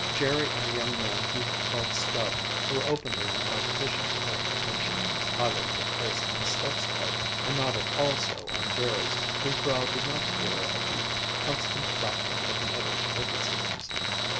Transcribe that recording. Jerry and the young man he called Stub were openly in competition for her attention, highly jocose on Stub's part and not at all so on Jerry's, whose brow did not clear at the constant crackling of the other's witticisms.